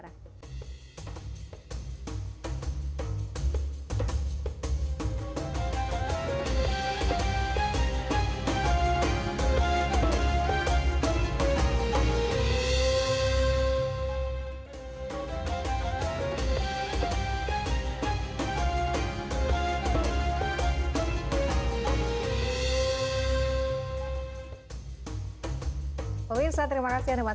jangan ke amphanie untuk mendengarkan yang tersebut